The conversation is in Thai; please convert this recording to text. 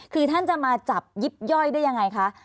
คือท่านจะมาจับยิบย่อยได้ยังไงคะ